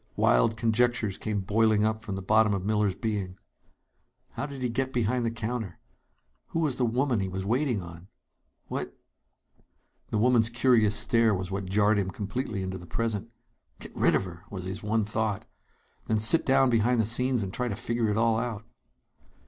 Wild conjectures came boiling up from the bottom of Miller's being. How did he get behind the counter? Who was the woman he was waiting on? What The woman's curious stare was what jarred him completely into the present. Get rid of her! was his one thought. Then sit down behind the scenes and try to figure it all out.